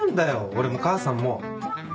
俺も母さんも。